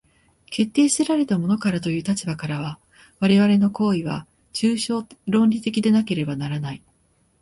決定せられたものからという立場からは、我々の行為は抽象論理的でなければならない。